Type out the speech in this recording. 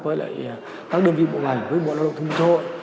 với các đơn vị bộ ngành với bộ ngoại đồng thông minh châu âu